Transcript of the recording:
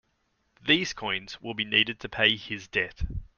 These coins will be needed to pay his debt.